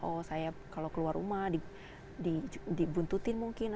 oh saya kalau keluar rumah dibuntutin mungkin